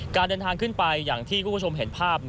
การเดินทางขึ้นไปอย่างที่คุณผู้ชมเห็นภาพ